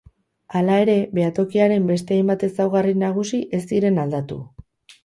Hala ere, behatokiaren beste hainbat ezaugarri nagusi ez ziren aldatu.